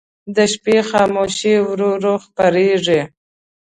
د شپې خاموشي ورو ورو خپرېږي.